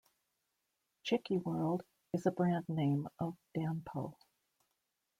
Chicky World is a brand name of Danpo.